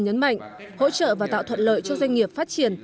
nhấn mạnh hỗ trợ và tạo thuận lợi cho doanh nghiệp phát triển